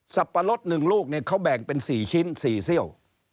ปะรด๑ลูกเนี่ยเขาแบ่งเป็น๔ชิ้น๔เซี่ยว